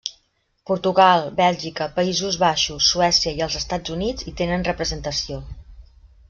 Portugal, Bèlgica, Països Baixos, Suècia, i els Estats Units hi tenien representació.